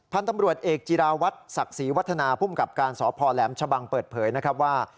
พันธุ์ตำรวจเอกจิราวัฒน์ศักดิ์ศรีวัฒนาภูมิกับการสพแหลมชะบังเปิดเผยนะครับว่า